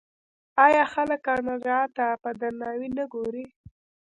آیا خلک کاناډا ته په درناوي نه ګوري؟